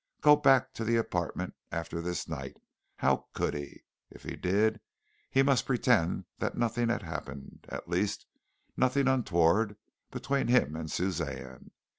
Go back to the apartment after this night how could he? If he did, he must pretend that nothing had happened at least, nothing untoward between him and Suzanne.